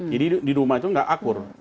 jadi di rumah itu tidak akur